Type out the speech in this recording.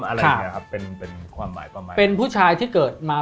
อะไรอย่างเงี้ยครับเป็นเป็นความหมายประมาณเป็นผู้ชายที่เกิดมา